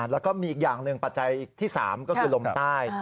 แล้วก็มีอีกอย่างหนึ่งปัจจัยที่๓ก็คือลมใต้